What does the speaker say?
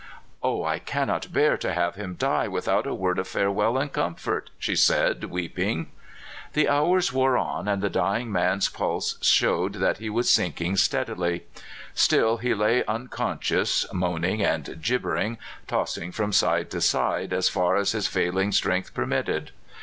" O I cannot bear to have him die without a word of farewell and comfort !" she said weeping. The hours wore on, and the dying man's pulse showed that he was sinking steadily. Still he lay unconscious, moaning and gibbering, tossing from side to side as far as his failing strength permitted.